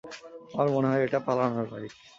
আমার মনে হয় এটা পালানোর বাইক।